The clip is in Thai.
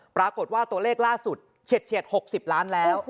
ปรากฏว่าตัวเลขล่าสุดเฉียด๖๐ล้านแล้ว